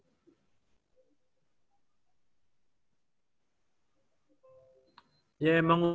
ya emang udah harus paradigma gitu ya